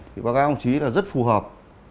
thì bác giáo đồng chí là rất phù hợp